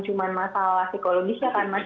cuma masalah psikologis ya kan mas